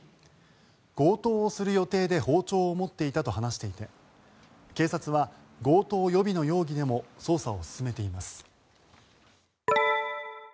強盗をする予定で包丁を持っていたと話していて警察は、強盗予備の容疑でも捜査を進めています。